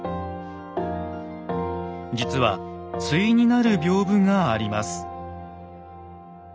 実は対になる屏風があります。